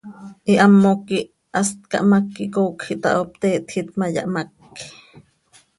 Ihamoc quih hast cahmác quih coocj ihtaho, pte htjiit ma, yahmác.